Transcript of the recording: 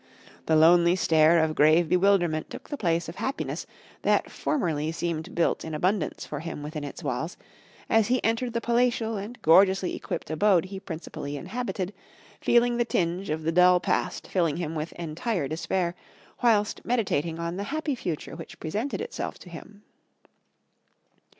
The lonely stare of grave bewilderment took the place of happiness that formerly seemed built in abundance for him within its walls, as he entered the palatial and gorgeously equipped abode he principally inhabited, feeling the tinge of the dull past filling him with entire despair, whilst meditating on the happy future which presented itself to him.